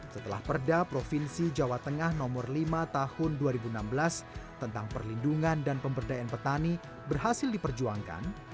setelah perda provinsi jawa tengah nomor lima tahun dua ribu enam belas tentang perlindungan dan pemberdayaan petani berhasil diperjuangkan